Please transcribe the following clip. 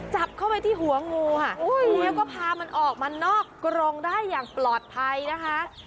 จับเข้าที่หัวงูคงพามันออกมันนอกกรงได้อย่างปลอดภัยนะคะ